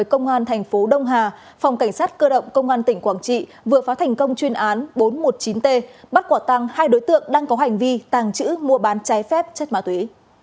công an thành phố đông hà phòng cảnh sát cơ động công an tỉnh quảng trị vừa phá thành công chuyên án bốn trăm một mươi chín t bắt quả tăng hai đối tượng đang có hành vi tàng trữ mua bán trái phép chất ma túy